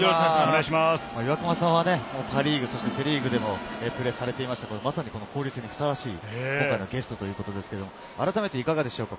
岩隈さんはパ・リーグ、セ・リーグでもプレーをされていて、まさに交流戦にふさわしいゲストということですが、改めていかがでしょうか？